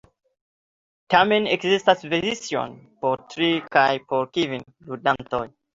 Tamen, ekzistas versioj por tri kaj por kvin ludantoj.